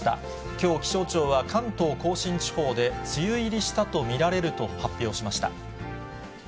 きょう、気象庁は関東甲信地方で梅雨入りしたと見られると発表しました。